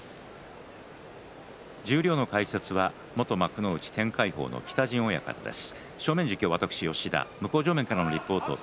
十両の解説は元幕内天鎧鵬の北陣親方です。